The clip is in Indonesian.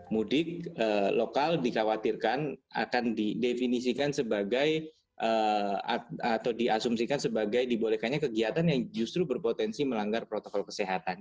mudik lokal dikhawatirkan akan diasumsikan sebagai kegiatan yang justru berpotensi melanggar protokol kesehatan